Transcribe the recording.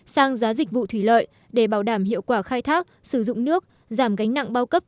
sang giá dịch vụ thủy lợi để bảo đảm hiệu quả khai thác sử dụng nước giảm gánh nặng bao cấp